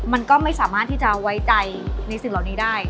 มันก็ไม่สามารถที่จะไว้ใจในสิ่งเหล่านี้ได้